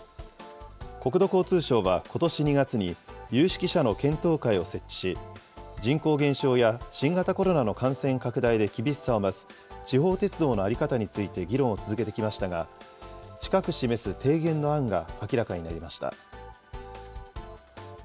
国土交通省は、ことし２月に有識者の検討会を設置し、人口減少や新型コロナの感染拡大で厳しさを増す地方鉄道の在り方について議論を続けてきましたが、近く示す提言の案が明らかになりました。